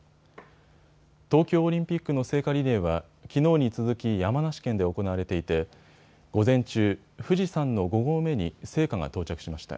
東京オリンピックの聖火リレーはきのうに続き山梨県で行われていて午前中、富士山の５合目に聖火が到着しました。